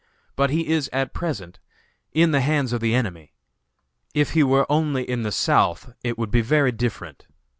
but he is, at present, in the hands of the enemy. If he were only in the South, it would be very different.